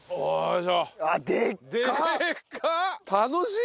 楽しい！